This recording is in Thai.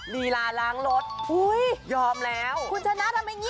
เพราะว่านี่ดูแพทย์